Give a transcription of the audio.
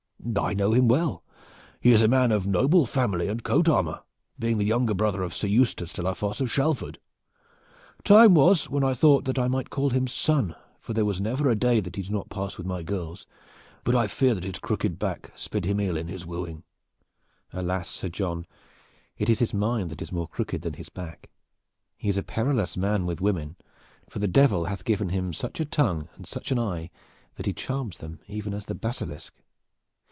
"I know him well. He is a man of noble family and coat armor, being the younger brother of Sir Eustace de la Fosse of Shalford. Time was when I had thought that I might call him son, for there was never a day that he did not pass with my girls, but I fear that his crooked back sped him ill in his wooing." "Alas, Sir John! It is his mind that is more crooked than his back. He is a perilous man with women, for the Devil hath given him such a tongue and such an eye that he charms them even as the basilisk.